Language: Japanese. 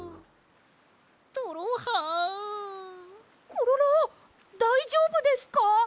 コロロだいじょうぶですか？